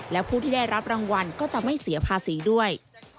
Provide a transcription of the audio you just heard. และผู้ที่ได้รับรางวัลก็จะไม่เสียภาษีด้วย